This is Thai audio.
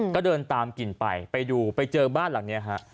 ก็เดินตามกลิ่นไปไปดูไปเจอบ้านหลังนี้ฮะ